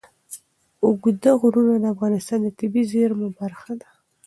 اوږده غرونه د افغانستان د طبیعي زیرمو برخه ده.